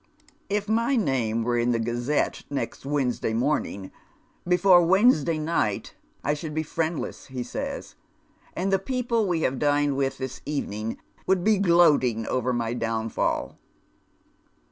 " If my name were in the Gazette next "Wednesday morning, before Wednesday night I should be fiiendless," he says ;" and tlie people we have dined with this evening would be gloating over my downfall."